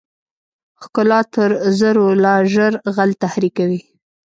ښکلا تر زرو لا ژر غل تحریکوي.